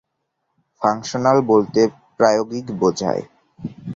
Functional বলতে প্রায়োগিক বোঝায়।